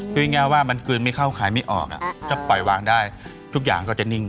คือง่ายว่ามันกลืนไม่เข้าขายไม่ออกถ้าปล่อยวางได้ทุกอย่างก็จะนิ่ง